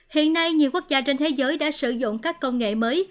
hiện nay nhiều quốc gia trên thế giới đã sử dụng các công nghệ mới